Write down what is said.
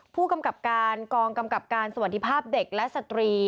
ผู้กำกับการกองกำกับการสวัสดีภาพเด็กและสตรี